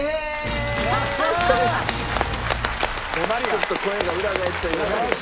ちょっと声が裏返っちゃいましたけど。